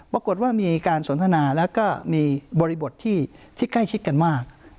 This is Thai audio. ปรากฏว่ามีการสนทนาแล้วก็มีบริบทที่ใกล้ชิดกันมาก